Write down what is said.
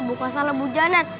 bukan salah bu janet